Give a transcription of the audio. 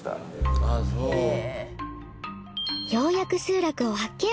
ようやく集落を発見。